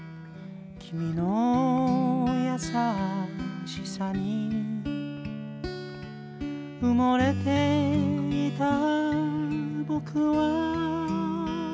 「君のやさしさに」「うもれていたぼくは」